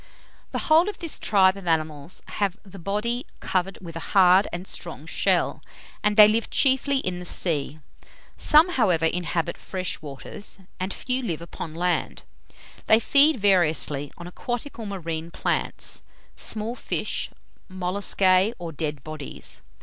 The whole of this tribe of animals have the body covered with a hard and strong shell, and they live chiefly in the sea. Some, however, inhabit fresh waters, and a few live upon land. They feed variously, on aquatic or marine plants, small fish, molluscae, or dead bodies.